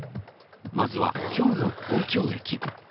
まずは、きょうの東京駅。